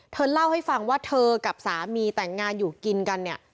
เธอเล่าให้ฟังว่าเธอกับสามีแต่งงานอยู่กินกันเนี่ย